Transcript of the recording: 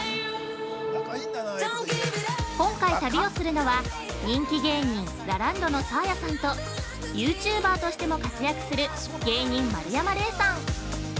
今回旅をするのは人気芸人・ラランドのサーヤさんとユーチューバーとしても活躍する芸人・丸山礼さん。